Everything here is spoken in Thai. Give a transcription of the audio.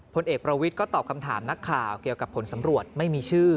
ผลเอกประวิทย์ก็ตอบคำถามนักข่าวเกี่ยวกับผลสำรวจไม่มีชื่อ